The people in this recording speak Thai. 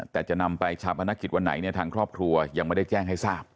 แต่จะนำไปชาปนกิจวันไหนเนี่ยทางครอบครัวยังไม่ได้แจ้งให้ทราบ